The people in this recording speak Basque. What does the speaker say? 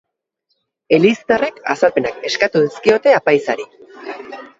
Eliztarrek azalpenak eskatu dizkiote apaizari.